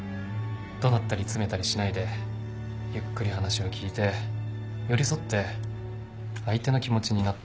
怒鳴ったり詰めたりしないでゆっくり話を聞いて寄り添って相手の気持ちになって。